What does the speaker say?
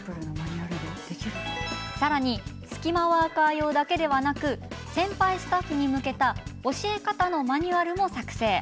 さらにスキマワーカー用だけではなく先輩スタッフに向けた教え方のマニュアルも作成。